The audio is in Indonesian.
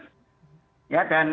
ya dan ingat bahwa sekolah itu aman